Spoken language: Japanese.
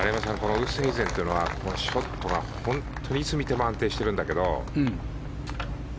ウーストヘイゼンはショットが本当にいつ見ても安定しているんだけど。